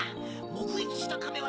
目撃した亀は。